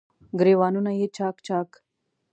ګریوانونه یې چا ک، چا ک